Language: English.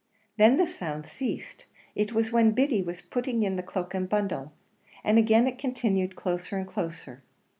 Then the sound ceased. It was when Biddy was putting in it the cloak and bundle, and again it continued closer and closer.